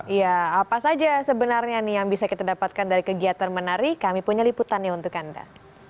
ya apa saja sebenarnya nih yang bisa kita dapatkan dari kegiatan menari kami punya liputannya untuk anda